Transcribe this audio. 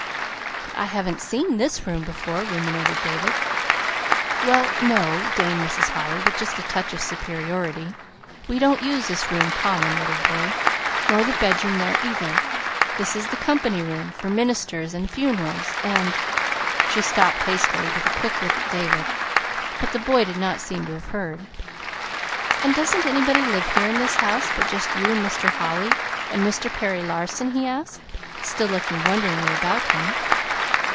"But I haven't seen this room before," ruminated David. "Well, no," deigned Mrs. Holly, with just a touch of superiority. "We don't use this room common, little boy, nor the bedroom there, either. This is the company room, for ministers and funerals, and " She stopped hastily, with a quick look at David; but the boy did not seem to have heard. "And doesn't anybody live here in this house, but just you and Mr. Holly, and Mr. Perry Larson?" he asked, still looking wonderingly about him.